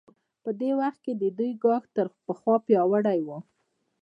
په دې وخت کې د دوی ګواښ تر پخوا پیاوړی و.